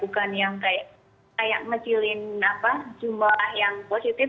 dan yang kayak mencilin jumlah yang positif